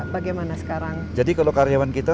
bagaimana sekarang jadi kalau karyawan kita